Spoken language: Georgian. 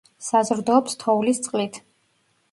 საზრდოობს თოვლის წყლით.